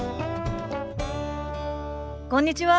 こんにちは。